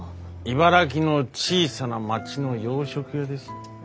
茨城の小さな町の洋食屋です。